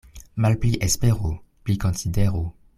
Malpli esperu, pli konsideru.